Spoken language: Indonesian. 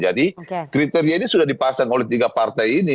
jadi kriteria ini sudah dipasang oleh tiga partai ini